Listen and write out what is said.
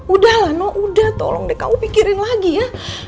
udahlah no udah tolong deh kamu pikirin lagi ya